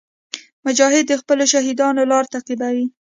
مجاهد د خپلو شهیدانو لار تعقیبوي.